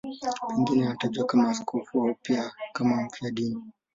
Pengine anatajwa kama askofu au pia kama mfiadini.